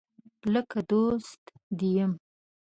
لکه دوست دي یم